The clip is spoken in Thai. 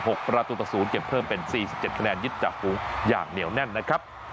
ประตูต่อศูนย์เก็บเพิ่มเป็นสี่สิบเจ็ดคะแนนยึดจากฝูงอย่างเหนียวแน่นนะครับ